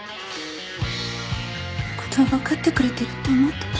誠は分かってくれてるって思ってた。